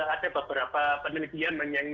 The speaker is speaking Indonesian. ada beberapa penelitian